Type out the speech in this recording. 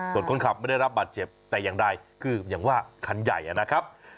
ส่วนคนขับไม่ได้รับบาดเจ็บแต่อย่างใดคืออย่างว่าคันใหญ่นะครับ